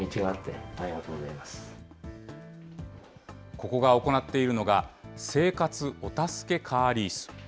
ここが行っているのが、生活お助けカーリース。